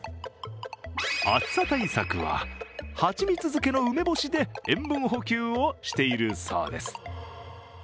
暑さ対策は、蜂蜜漬けの梅干しで塩分補給をしているそうです。